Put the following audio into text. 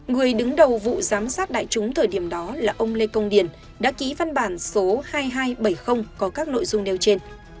người đứng đầu vụ giám sát đại chúng thời điểm đó là ông lê công điền đã ký văn bản số hai nghìn hai trăm bảy mươi có các nội dung nêu trên